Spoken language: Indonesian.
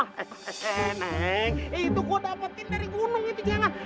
neng itu gue dapetin dari gunung itu jangan